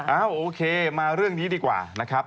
โอเคมาเรื่องนี้ดีกว่านะครับ